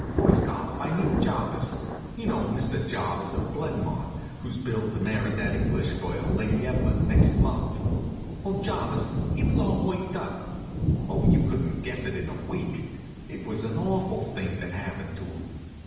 First off I meets Jarvis you know, Mr. Jarvis of Blenmont, who's billed to marry that English girl, Lady Evelyn, next month. Well, Jarvis he was all worked up. Oh, you couldn't guess it in a week. It was an awful thing that happened to him.